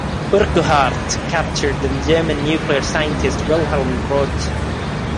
Urquhart captured the German nuclear scientist Wilhelm Groth.